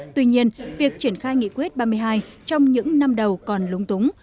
tuy nhiên việc triển khai nghị quyết ba mươi hai trong những năm đầu còn lúng túng